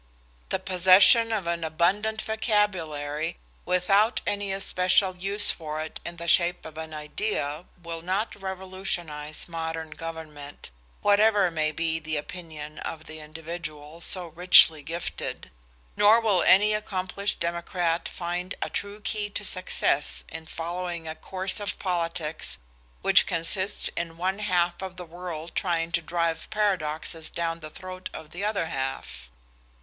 The possession of an abundant vocabulary without any especial use for it in the shape of an idea will not revolutionize modern government, whatever may be the opinion of the individual so richly gifted; nor will any accomplished Democrat find a true key to success in following a course of politics which consists in one half of the world trying to drive paradoxes down the throat of the other half.